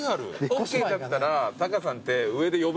ＯＫだったらタカさんって上で呼ぶじゃないですか。